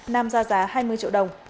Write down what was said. nam ra giá hai mươi triệu đồng